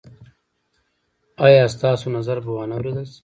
ایا ستاسو نظر به وا نه وریدل شي؟